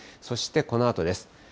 そしてこのあとです。